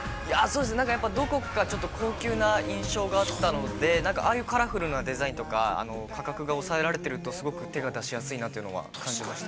◆やっぱりどこかちょっと高級な印象があったので、なんか、ああいうカラフルなデザインとか、価格が抑えられていると、すごく手が出しやすいと感じました。